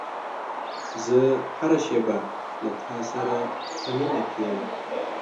زه هره شېبه له تا سره په مینه کې یم.